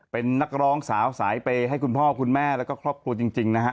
เป็นนักร้องสาวสายเปย์ให้คุณพ่อคุณแม่แล้วก็ครอบครัวจริงนะฮะ